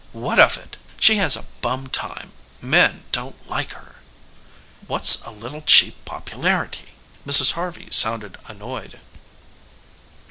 What of it? She has a bum time. Men don't like her." "What's a little cheap popularity?" Mrs. Harvey sounded annoyed.